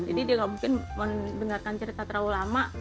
jadi dia nggak mungkin mendengarkan cerita terlalu lama